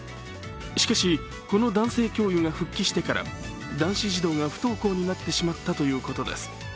しかしこの男性教諭が復帰してから、男子児童が不登校になってしまったということです。